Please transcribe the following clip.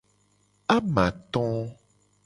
Amato.